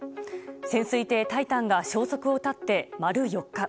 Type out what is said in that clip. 潜水艇「タイタン」が消息を絶って丸４日。